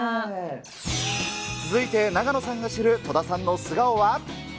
続いて永野さんが知る戸田さんの素顔は。